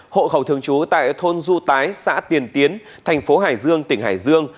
hộ khẩu thường trú tại thôn du tái xã tiền tiến thành phố hải dương tỉnh hải dương